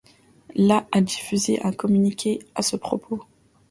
La a diffusée un communiqué à ce propos.